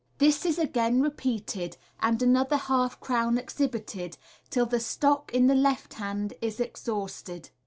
This is again repeated, and another half* crown exhibited, till the stock in the* left hand is exhausted.